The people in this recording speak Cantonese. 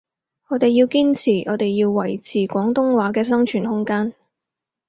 我哋要堅持，我哋要維持廣東話嘅生存空間